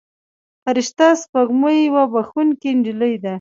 فرشته سپوږمۍ یوه بښونکې نجلۍ ده.